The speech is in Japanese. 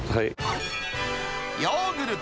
ヨーグルト？